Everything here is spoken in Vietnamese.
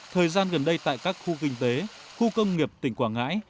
thời gian gần đây tại các khu kinh tế khu công nghiệp tỉnh quảng ngãi